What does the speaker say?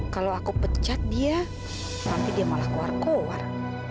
kalau aku pecat dia nanti dia malah keluar keluar